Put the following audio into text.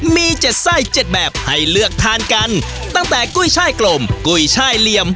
มีเจ็ดไส้เจ็ดแบบให้เลือกทานกันตั้งแต่กุ้ยไช่กลมกุ้ยไช่เหลี่ยม